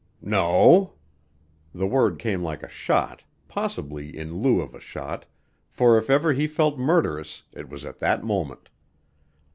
"No." The word came like a shot, possibly in lieu of a shot, for if ever he felt murderous it was at that moment.